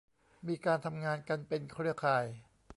มีการทำงานกันเป็นเครือข่าย